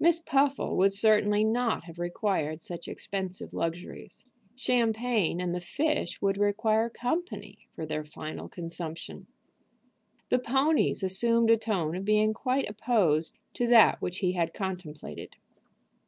Miss Puffle would certainly not have required such expensive luxuries. Champagne and the fish would require company for their final consumption. The ponies assumed a tone of being quite opposed to that which he had contemplated.